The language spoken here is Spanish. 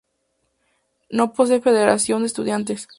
No posee Federación de Estudiantes.